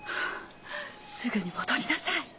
すぐに戻りなさい。